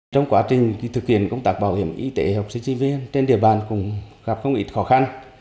trong quá trình thực hiện công tác bảo hiểm y tế học sinh sinh viên trên địa bàn cũng gặp không ít khó khăn